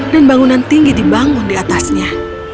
dan bangunan tinggi dibangun diatasnya